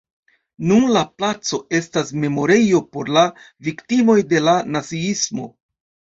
Nun la placo estas memorejo por la viktimoj de la naziismo.